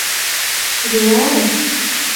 Дилара!..